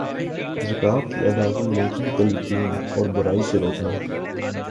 زکوۃ کی ادئیگی نیکی کی تلقین اور برائی سے روکنا